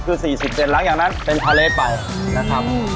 คือ๔๗เส้นหลังอย่างนั้นเป็นพาเลเป่านะครับ